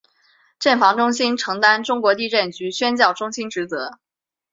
震防中心承担中国地震局宣教中心职责。